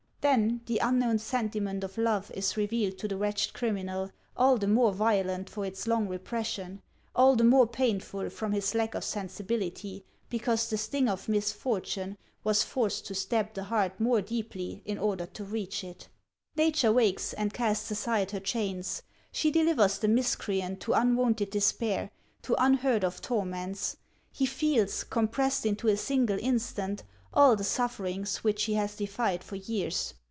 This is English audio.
Then the unknown sentiment of love is revealed to the wretched criminal, all the more violent for its long re pression, all the more painful from his lack of sensibility, because the sting of misfortune was forced to stab the heart more deeply in order to reach it. Nature wakes and casts aside her chains ; she delivers the miscreant to unwonted despair, to unheard of torments ; he feels, com pressed into a single instant, all the sufferings which he has defied for years.